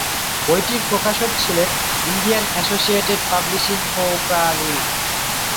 বইটির প্রকাশক ছিল ইন্ডিয়ান অ্যাসোসিয়েটেড পাবলিশিং কোং প্রাঃ লিঃ।